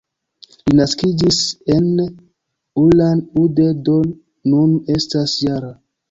Li naskiĝis en Ulan-Ude, do nun estas -jara.